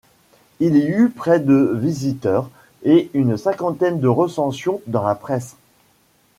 Il y eut près de visiteurs et une cinquantaine de recensions dans la presse.